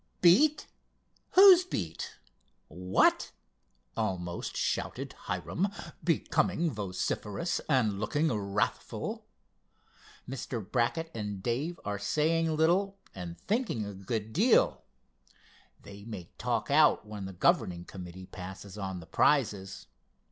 "Beat! who's—beat! what?" almost shouted Hiram, becoming vociferous, and looking wrathful. "Mr. Brackett and Dave are saying little and thinking a good deal. They may talk out when the governing committee passes on the prizes.